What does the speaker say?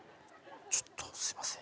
ちょっとすいません。